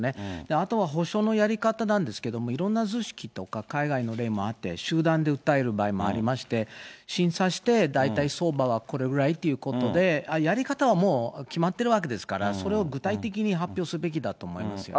あとは補償のやり方なんですけど、いろんな図式とか海外の例もあって、集団で訴える場合もありまして、審査して大体相場はこれぐらいということで、やり方はもう決まっているわけですから、それを具体的に発表すべきだと思いますよね。